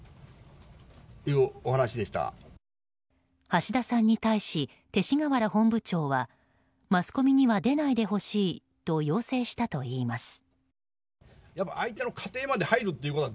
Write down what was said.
橋田さんに対し勅使河原本部長はマスコミには出ないでほしいと要請したといいます。